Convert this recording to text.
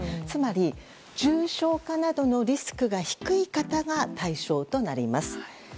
つまり、重症化などのリスクが低い方が対象となります。